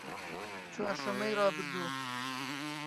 چوارشەممەی ڕابردوو